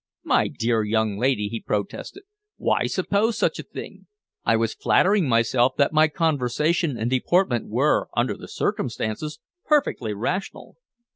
"My dear young lady!" he protested. "Why suppose such a thing? I was flattering myself that my conversation and deportment were, under the circumstances, perfectly rational."